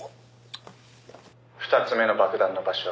「２つ目の爆弾の場所」